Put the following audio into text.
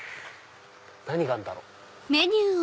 何があるんだろう？